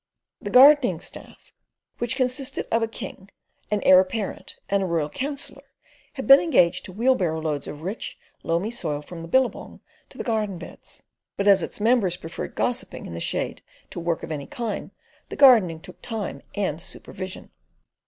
The gardening staff, which consisted of a king, an heir apparent, and a royal councillor, had been engaged to wheel barrow loads of rich loamy soil from the billabong to the garden beds; but as its members preferred gossiping in the shade to work of any kind, the gardening took time and supervision.